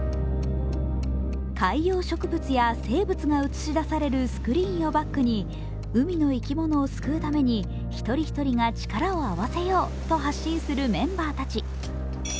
海洋植物や生物が映し出されるスクリーンをバックに海の生き物を救うために一人一人が力を合わせようと発信するメンバーたち。